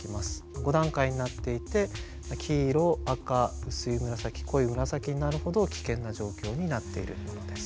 ５段階になっていて黄色赤薄い紫濃い紫になるほど危険な状況になっているものです。